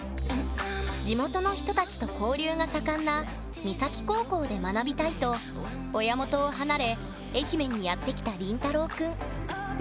「地元の人たちと交流が盛んな三崎高校で学びたい」と親元を離れ愛媛にやってきたりんたろうくん。